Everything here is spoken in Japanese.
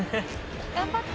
頑張って！